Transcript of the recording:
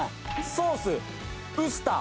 ソースウスター！